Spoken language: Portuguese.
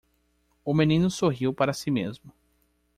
O menino sorriu para si mesmo.